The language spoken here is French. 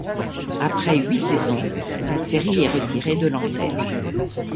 Après huit saisons, la série est retirée de l'antenne.